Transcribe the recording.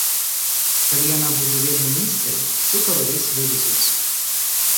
Калі яна будзе вельмі нізкай, цукар ўвесь вывезуць.